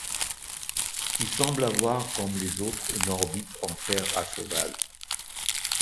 Il semble avoir, comme les autres, une orbite en fer à cheval.